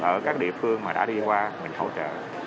ở các địa phương mà đã đi qua mình hỗ trợ